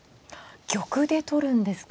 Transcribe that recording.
玉で取るんですか。